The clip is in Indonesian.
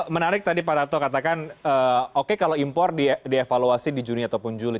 menarik tadi pak tarto katakan oke kalau impor dievaluasi di juni ataupun juli